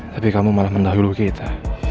tapi kamu malah mendahului kita